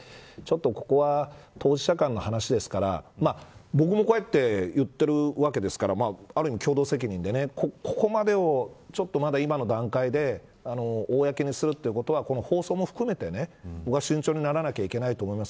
ここは当事者間の話ですから僕もこうやって言っているわけですからある意味、共同責任でここまでを今の段階で公にするということは放送も含めて、僕は慎重にならないといけないと思います。